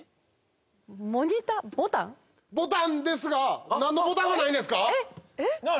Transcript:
ボタンですが何のボタンがないんですか？